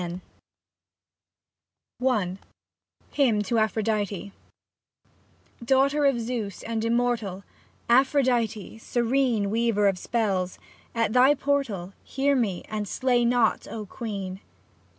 56 ZQ I HYMN TO APHRODITE Daughter of Zeus and Immortal, Aphrodite, serene Weaver of spells, at thy portal Hear me and slay not, O Queen